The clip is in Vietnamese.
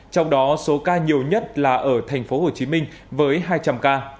trong đó số ca nhiều nhất là ở tp hcm với hai trăm linh ca